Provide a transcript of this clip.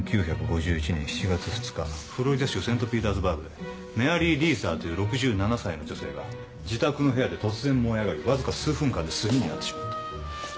フロリダ州セントピーターズバーグでメアリー・リーザーという６７歳の女性が自宅の部屋で突然燃え上がりわずか数分間で炭になってしまった。